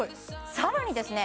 さらにですね